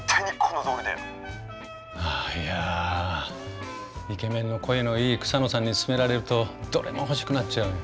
いやイケメンの声のいい草野さんに勧められるとどれも欲しくなっちゃうよ。